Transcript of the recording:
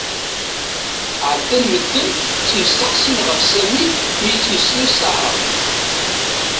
ɛaden medden ttmesteqsin ɣef Sami mi yettmeslay s taεrabt.